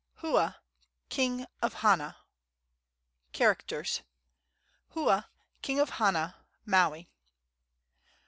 HUA, KING OF HANA. CHARACTERS. Hua, king of Hana, Maui.